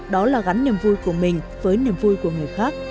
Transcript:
đó là gắn niềm vui của mình với niềm vui của người khác